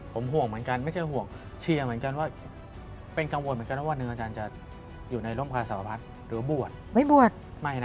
ผมห่วงเหมือนกันไม่ใช่ห่วงเชียร์เหมือนกันว่าเป็นกังวลเหมือนกันว่าวันหนึ่งอาจารย์จะอยู่ในร่มพาสารพัฒน์หรือบวชไม่บวชไม่นะ